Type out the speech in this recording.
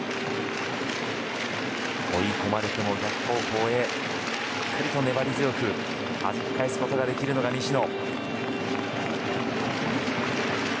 追い込まれても逆方向へしっかり粘り強くはじき返すことができるのが西野。